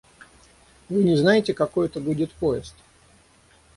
– Вы не знаете, какой это гудит поезд?